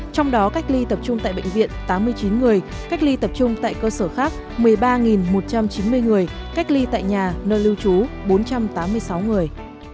trong đó cách ly tập trung tại bệnh viện tám mươi chín người cách ly tập trung tại cơ sở khác một mươi ba một trăm chín mươi người cách ly tại nhà nơi lưu trú bốn trăm tám mươi sáu người